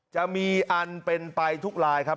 จะมีอันเป็นไปทุกลายครับ